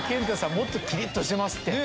もっとキリっとしてますって。